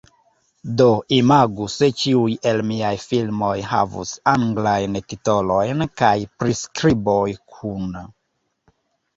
Do imagu se ĉiuj el miaj filmoj havus anglajn titolojn kaj priskriboj kun